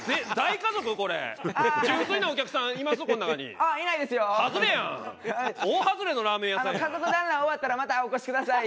家族だんらん終わったらまたお越しください。